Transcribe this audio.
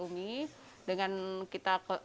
umi dengan kita